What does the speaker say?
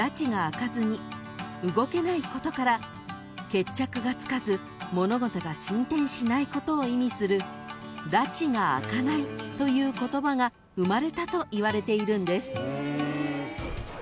［決着がつかず物事が進展しないことを意味する「埒が明かない」という言葉が生まれたといわれているんです］